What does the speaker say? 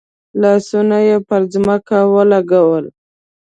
لاسونه یې پر ځمکه ولګول.